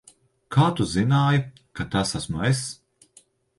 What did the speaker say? Kā tu zināji, ka tas esmu es?